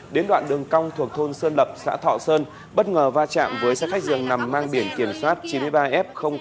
đến đoạn đường cong thuộc thôn sơn lập xã thọ sơn bất ngờ va chạm với xe khách dường nằm mang biển kiểm soát chín mươi ba f một